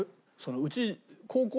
うち。